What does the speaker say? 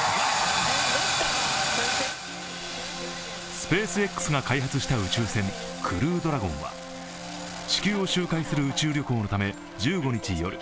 スペースＸが開発した宇宙船「クルードラゴン」は地球を周回する宇宙旅行のため１５日夜